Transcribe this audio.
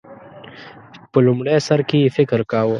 په لومړی سر کې یې فکر کاوه